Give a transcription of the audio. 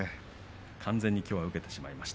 完全にきょうは受けてしまいました。